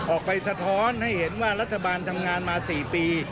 สะท้อนให้เห็นว่ารัฐบาลทำงานมา๔ปี